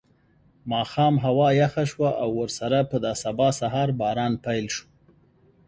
ماښام هوا یخه شوه او ورسره په دا سبا سهار باران پیل شو.